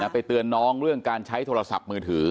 ไปเตือนน้องเรื่องการใช้โทรศัพท์มือถือ